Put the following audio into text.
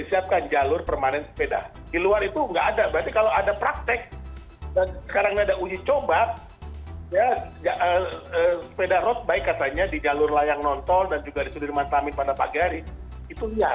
sekarang ada uji coba sepeda road bike katanya di jalur layang nonton dan juga di sudirman samit pada pagi hari itu liar